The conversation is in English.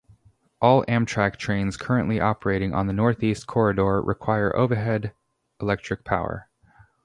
All Amtrak trains currently operating on the Northeast Corridor require overhead electric power.